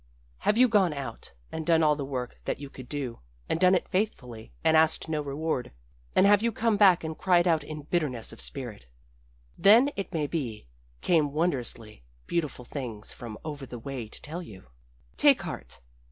Have you gone out and done all the work that you could do, and done it faithfully and asked no reward and have you come back and cried out in bitterness of spirit? Then, it may be, came wondrously beautiful things from over the way to tell you, Take heart.